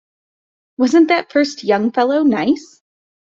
Wasn’t that first young fellow nice?